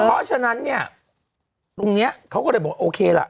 เพราะฉะนั้นเนี่ยตรงนี้เขาก็เลยบอกโอเคล่ะ